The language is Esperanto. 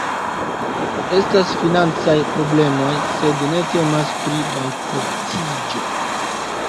Estas financaj problemoj, sed ne temas pri bankrotiĝo.